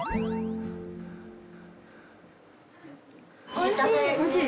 おいしい？